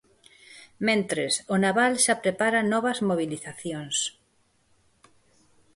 Mentres, o naval xa prepara novas mobilizacións.